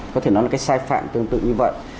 có thể nói là cái sai phạm tương tự như vậy